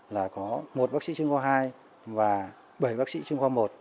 là có một bác sĩ chứng kho hai và bảy bác sĩ chứng kho một